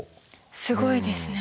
すごいですね。